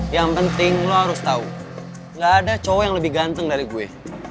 yang penting lo harus tahu gak ada cowok yang lebih ganteng dari gue